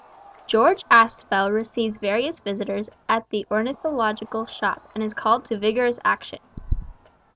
GEORGE ASPEL RECEIVES VARIOUS VISITORS AT THE ORNITHOLOGICAL SHOP, AND IS CALLED TO VIGOROUS ACTION.